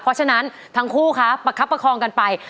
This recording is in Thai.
เพราะฉะนั้นทั้งคู่คะประคับประคองกันไป